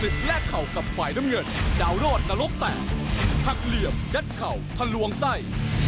ถักเหลี่ยมยัดเข่าทะลวงไส้